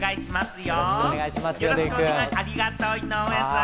よろしくお願いします、デイくん。